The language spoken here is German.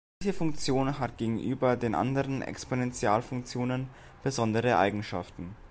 Diese Funktion hat gegenüber den anderen Exponentialfunktionen besondere Eigenschaften.